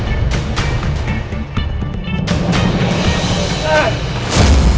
itu punya saya